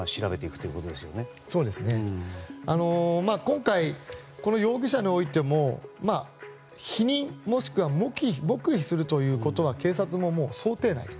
そうですね今回、この容疑者においても否認もしくは黙秘するということは警察も想定内。